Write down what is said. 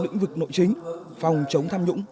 lĩnh vực nội chính phòng chống tham nhũng